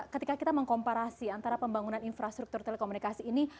ketika kita mengkomparasi antara pembangunan infrastruktur telekomunikasi ini